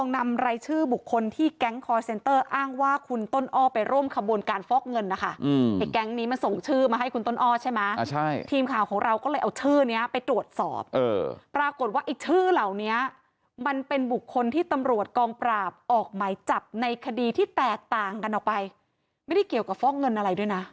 ดูดเข้ามาแล้วก็เลยเอาชื่อนี้ไว้ตรวจสอบปรากฏว่าอีกชื่อเหล่านี้มันเป็นบุคคลที่ตำรวจกองปราบออกไมค์จับในคดีที่แตกต่างกันเอาไปไม่ได้เกี่ยวกับฟ้องเงินอะไรด้วยนะ